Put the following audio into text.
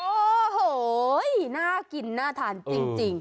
โอ้โหน่ากินน่าทานจริง